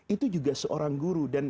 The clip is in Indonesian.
itu juga seorang guru